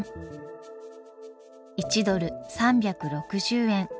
１ドル３６０円